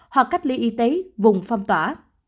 hoặc cách ly y tế vùng phong tỏa